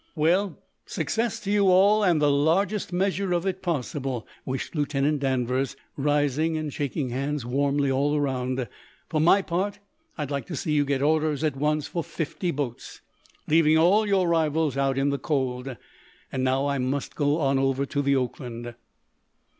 "Well, success to you all, and the largest measure of it possible!" wished Lieutenant Danvers, rising and shaking hands warmly all around. "For my part, I'd like to see you get orders, at once, for fifty boats, leaving all your rivals out in the cold. And now I must go on over to the 'Oakland.'"